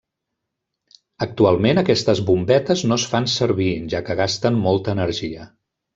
Actualment aquestes bombetes no es fan servir, ja que gasten molta energia.